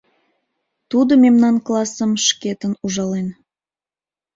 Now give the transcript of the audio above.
Тудо мемнан классым шкетын ужален.